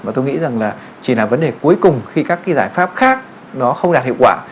và tôi nghĩ rằng là chỉ là vấn đề cuối cùng khi các cái giải pháp khác nó không đạt hiệu quả